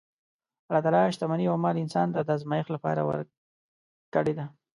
الله تعالی شتمني او مال انسان ته د ازمایښت لپاره ورکړې ده.